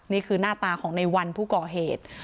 นี่คือหน้าตาของในวันผู้ก่อเหตุ